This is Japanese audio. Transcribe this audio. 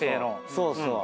そうそう。